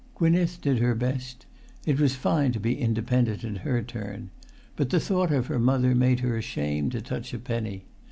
Gwynneth did her best. It was fine to be independent in her turn. But the thought of her mother made her ashamed to touch a penny.